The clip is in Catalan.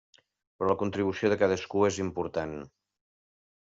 Però la contribució de cadascú és important.